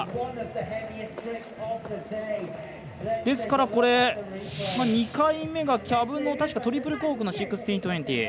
ですから、２回目がキャブの確かトリプルコークの１６２０。